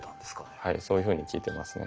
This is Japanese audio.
はいそういうふうに聞いてますね。